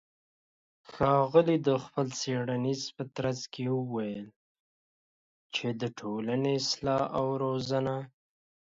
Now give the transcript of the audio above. ښاغلى د خپلې څېړنې په ترڅ کې وويل چې د ټولنې اصلاح او روزنه